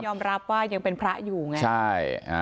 ไม่ยอมรับว่ายังเป็นพระอยู่ไง